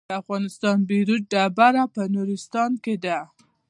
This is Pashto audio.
د افغانستان بیروج ډبره په نورستان کې ده